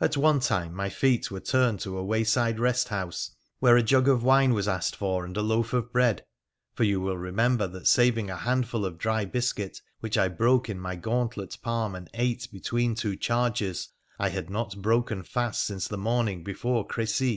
At one time my feet were turned to a way side rest house, where a jug of wine was asked for and a loaf of bread, for you will remember that saving a handful of dry biscuit, which I broke in my gauntlet palm and ate between two charges, I had not broken fast since the morning before Crecy.